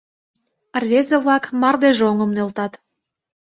Рвезе-влак мардежоҥым нӧлтат.